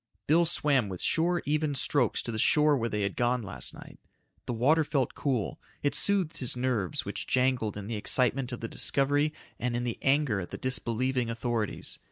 Bill swam with sure even strokes to the shore where they had gone last night. The water felt cool. It soothed his nerves which jangled in the excitement of the discovery and in the anger at the disbelieving authorities.